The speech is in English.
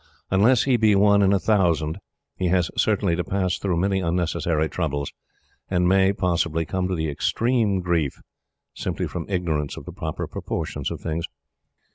Unless he be one in a thousand he has certainly to pass through many unnecessary troubles; and may, possibly, come to extreme grief simply from ignorance of the proper proportions of things.